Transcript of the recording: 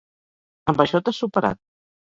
Amb això t'has superat.